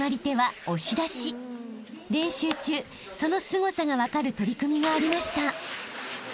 ［練習中そのすごさが分かる取組がありました］